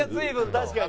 確かに。